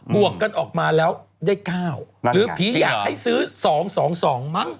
วกกันออกมาแล้วได้๙หรือผีอยากให้ซื้อ๒๒มั้ง